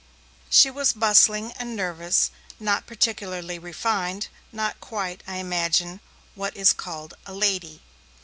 She was bustling and nervous, not particularly refined, not quite, I imagine, what is called 'a lady'.